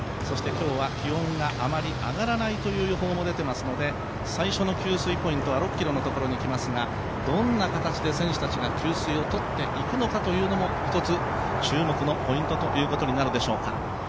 そして今日は気温があまり上がらないという予報も出ていますので最初の給水ポイントは６ｋｍのところに来ますが、どんな形で選手たちが給水をとっていくのかというのも一つのポイントになっていくのでしょうか。